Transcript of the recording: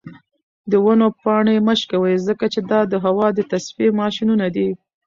د ونو پاڼې مه شکوئ ځکه چې دا د هوا د تصفیې ماشینونه دي.